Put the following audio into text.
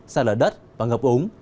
xa lở đất và ngập úng